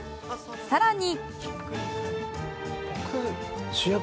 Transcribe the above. さらに。